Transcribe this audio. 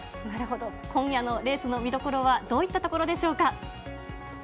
なるほど、今夜のレースの見どころは、どういったところでしょうか？